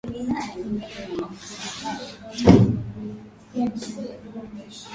lakini afya yake imezidi kuzorota na hivyo kuhamishwa kwenye chumba cha wagonjwa mahututi